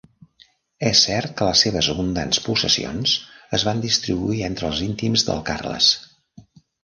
És cert que les seves abundants possessions es van distribuir entre els íntims del Carles.